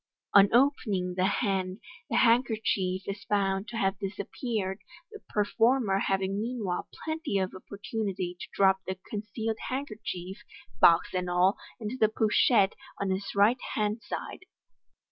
On opening the hand, the handkerchief is found to have disappeared, the performer having meanwhile pienty of opportunity to drop the con cealed handkerchief, box and all, into the pochette on his right hand side.